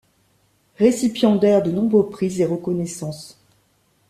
Récipiendaire de nombreux prix et reconnaissances.